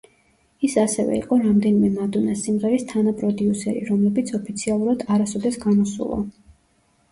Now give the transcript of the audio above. ის ასევე იყო რამდენიმე მადონას სიმღერის თანაპროდიუსერი, რომლებიც ოფიციალურად არასოდეს გამოსულა.